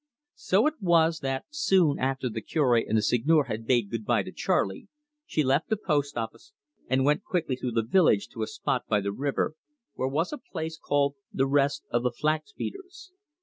So it was that, soon after the Cure and the Seigneur had bade good bye to Charley, she left the post office and went quickly through the village to a spot by the river, where was a place called the Rest of the Flaxbeaters.